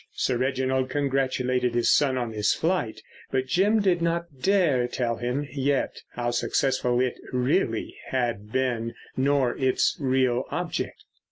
Sir Reginald congratulated his son on his flight, but Jim did not dare tell him yet how successful it really had been, nor its real object.